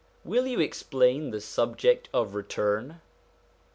Will you explain the subject of Return